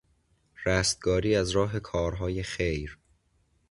رستگاری از راه کارهای خیر